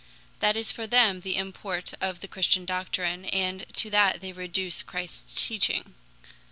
That is for them the import of the Christian doctrine, and to that they reduce Christ's teaching.